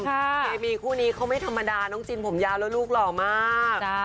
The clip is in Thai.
เคมีคู่นี้เขาไม่ธรรมดาน้องจินผมยาวแล้วลูกหล่อมาก